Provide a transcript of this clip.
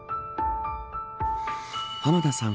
浜田さん